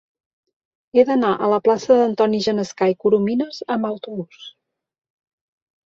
He d'anar a la plaça d'Antoni Genescà i Corominas amb autobús.